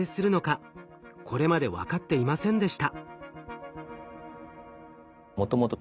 これまで分かっていませんでした。